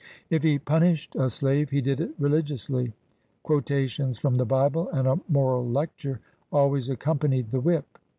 If he punished a slave, he did it religiously. Quotations from the Bible, and a moral lecture, always accompanied the whip.